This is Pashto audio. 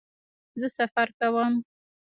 زه سفر کوم